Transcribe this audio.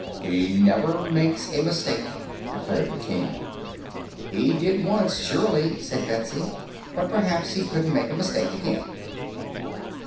"He never makes a mistake," declared the King. "He did once, surely," said Betsy. "But perhaps he wouldn't make a mistake again."